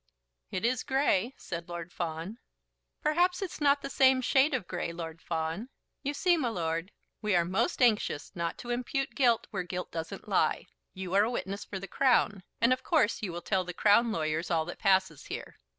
"It is grey," said Lord Fawn. "Perhaps it's not the same shade of grey, Lord Fawn. You see, my lord, we are most anxious not to impute guilt where guilt doesn't lie. You are a witness for the Crown, and, of course, you will tell the Crown lawyers all that passes here.